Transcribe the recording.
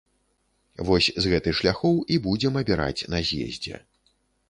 Вось з гэты шляхоў і будзем абіраць на з'ездзе.